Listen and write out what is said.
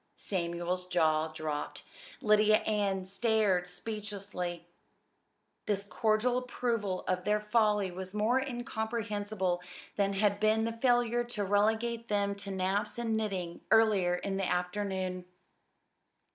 Samuel's jaw dropped. Lydia Ann stared speechlessly. This cordial approval of their folly was more incomprehensible than had been the failure to relegate them to naps and knitting earlier in the afternoon.